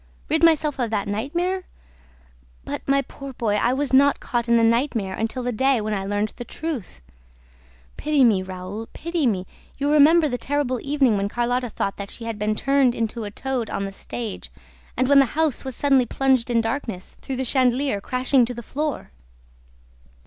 Rid myself of that nightmare? But, my poor boy, I was not caught in the nightmare until the day when I learned the truth! ... Pity me, Raoul, pity me! ... You remember the terrible evening when Carlotta thought that she had been turned into a toad on the stage and when the house was suddenly plunged in darkness through the chandelier crashing to the floor?